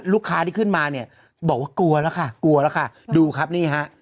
ลูกค้าที่ขึ้นมาเนี่ยบอกว่ากลัวแล้วค่ะกลัวแล้วค่ะดูครับนี่ฮะ